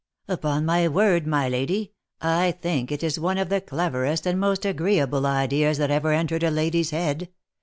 Upon my word, my lady, I think it is one of the cleverest and most agreeable ideas that ever entered a lady's head.